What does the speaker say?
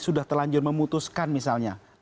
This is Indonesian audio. sudah terlanjur memutuskan misalnya